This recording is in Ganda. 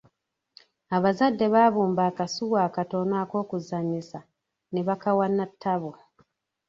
Abazadde baabumba akasuwa akatono ak'okuzanyisa ne bakawa Natabo.